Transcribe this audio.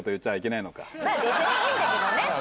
まぁ別にいいんだけどね。